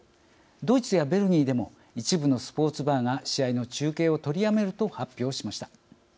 ドイツやベルギーでも一部のスポーツバーが試合の中継を取りやめると発表しました。